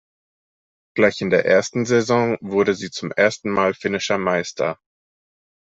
Gleich in der ersten Saison wurde sie zum ersten Mal finnischer Meister.